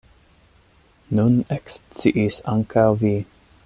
Nun eksciis ankaŭ vi.